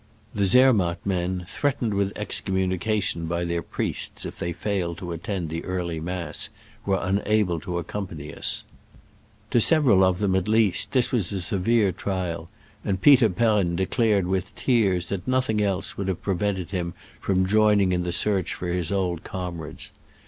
The Zermatt men, threatened with excommunication by their priests if they failed to attend the early mass, were unable to accom pany us. To several of them, at least, this was a severe trial, and Peter Perm Digitized by Google SCRAMBLES AMONGST THE ALPS IN i86o '69. 159 declared with tears that nothing else would have prevented him from joining in the search for his old comrades.